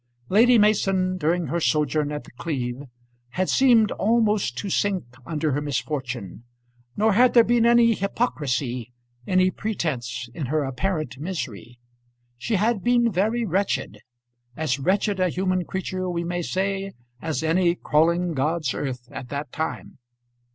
Lady Mason, during her sojourn at The Cleeve, had seemed almost to sink under her misfortune; nor had there been any hypocrisy, any pretence in her apparent misery. She had been very wretched; as wretched a human creature, we may say, as any crawling God's earth at that time.